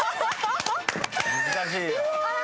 難しいよ。